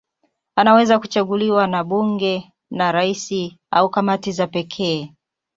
Anaweza kuchaguliwa na bunge, na rais au kamati za pekee.